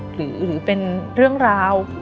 หรือเป็นเรื่องราว